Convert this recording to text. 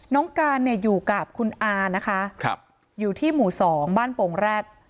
น้องกันอยู่กับคุณอาอยู่ที่หมู่๒บ้านโปงแรต